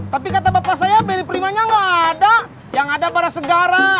tapi kata bapak saya beri primanya gak ada